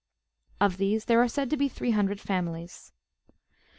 Of these there are said to be three hundred families.